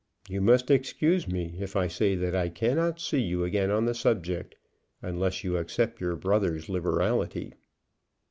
You must excuse me if I say that I cannot see you again on the subject, unless you accept your brother's liberality."